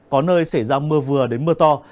có nơi sẽ ra mưa vừa đến mưa to